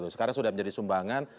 sekarang sudah menjadi sumbangan